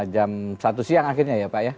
jam satu siang akhirnya ya pak ya